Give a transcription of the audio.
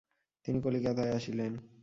তিনি কলিকাতায় আসিলেন।